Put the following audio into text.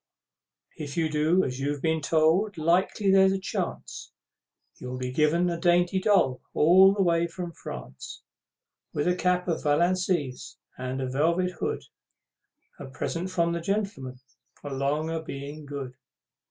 If you do as you've been told, 'likely there's a chance, You'll be given a dainty doll, all the way from France, With a cap of Valenciennes, and a velvet hood, A present from the Gentlemen, along o' being good!